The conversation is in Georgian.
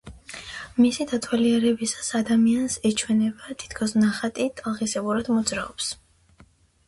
მისი დათვალიერებისას ადამიანს ეჩვენება, თითქოს ნახატი ტალღისებურად მოძრაობს.